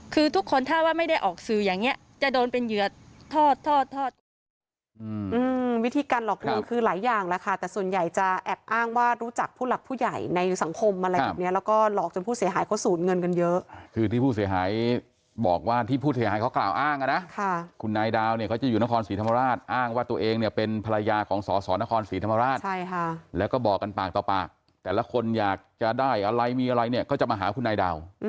คือทุกคนถ้าว่าไม่ได้ออกสื่ออย่างนี้จะโดนเป็นเหยื่อทอด